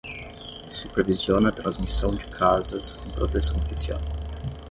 Supervisiona a transmissão de casas com proteção oficial.